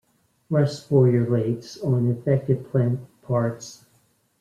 Rust sporulates on affected plant parts.